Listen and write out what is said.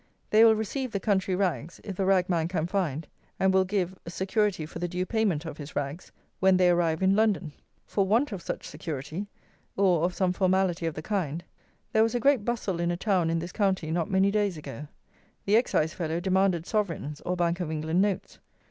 They will receive the country rags, if the rag man can find, and will give, security for the due payment of his rags, when they arrive in London. For want of such security, or of some formality of the kind, there was a great bustle in a town in this county not many days ago. The Excise fellow demanded sovereigns, or Bank of England notes.